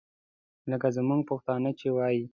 لکه زموږ پښتانه چې وایي.